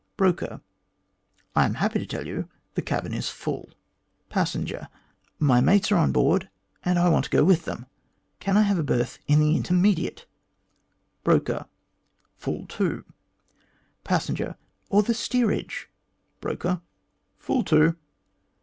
Broker :" I am happy to tell you the cabin is full." 104 THE GLADSTONE COLONY Passenger: "My mates are on board, and I want to go with them. Can I have a berth in the intermediate 1 ?" Broker: "Full too." Passenger :" Or in the steerage?" Broker: "Full too."